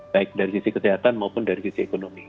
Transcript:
baik dari sisi kesehatan maupun dari sisi ekonomi